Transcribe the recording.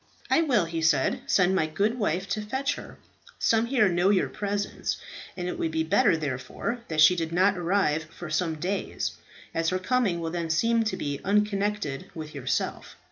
"I will," he said, "send my good wife to fetch her. Some here know your presence, and it would be better therefore that she did not arrive for some days, as her coming will then seem to be unconnected with yourself.